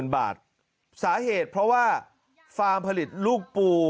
๕๐๐๐๑๐๐๐๐บาทสาเหตุเพราะว่าฟาร์มผลิตลูกปู